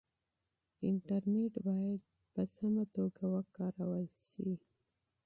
انټرنټ بايد په سمه توګه وکارول شي.